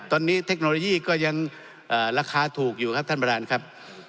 ตอนนี้เทคโนโลยีก็ยังราคาถูกอยู่ครับท่านประธานครับ